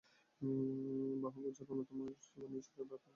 বাহ্যপূজার উন্নততর সোপানে ঈশ্বরের বা পূর্বপুরুষদের প্রতিমূর্তিকে পূজা করা হয়।